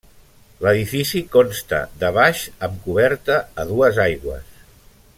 L'edifici consta de baix amb coberta a dues aigües.